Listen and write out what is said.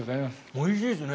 おいしいですね。